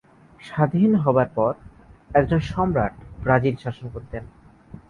স্বাধীন হবার পর একজন সম্রাট ব্রাজিল শাসন করতেন।